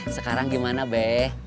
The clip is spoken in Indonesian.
sekarang gimana be